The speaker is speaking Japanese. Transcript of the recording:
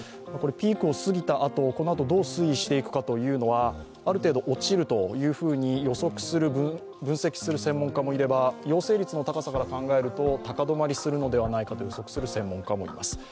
ピークを過ぎたあと、どう推移していくかというのはある程度、落ちると予測、分析する専門家もいれば陽性率の高さから考えると高止まりするのではないかと予測する専門家もいます。